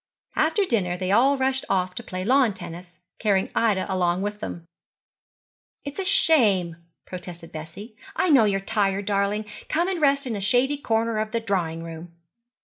After dinner they all rushed off to play lawn tennis, carrying Ida along with them. 'It's a shame,' protested Bessie. 'I know you're tired, darling. Come and rest in a shady corner of the drawing room.'